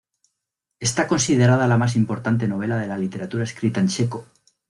Está considerada la más importante novela de la literatura escrita en checo.